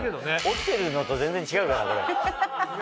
起きてるのと全然違うからこれ。